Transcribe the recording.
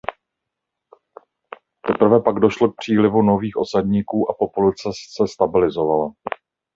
Teprve pak došlo k přílivu nových osadníků a populace se stabilizovala.